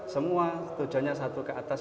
semua tujuannya satu ke atas